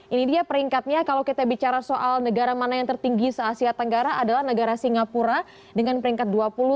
ini dia peringkatnya kalau kita bicara soal negara mana yang tertinggi se asia tenggara adalah negara singapura dengan peringkat dua puluh tiga